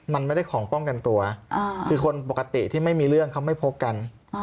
มันไม่ได้ของป้องกันตัวคือคนปกติที่ไม่มีเรื่องเขาไม่พบกัน